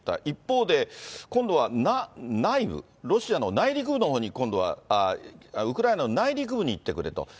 一方で、今度は内部、ロシアの内陸部のほうに今度はウクライナの内陸部に行ってくれと。